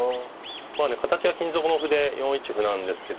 まあね形は金底の歩で４一歩なんですけど。